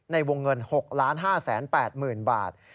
ในวงเงิน๖๕๘๐๐๐บาท